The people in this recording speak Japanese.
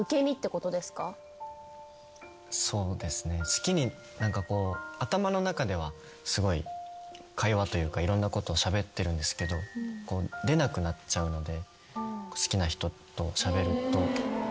そうですね何かこう頭の中ではすごい会話というかいろんなことしゃべってるんですけど出なくなっちゃうので好きな人としゃべると。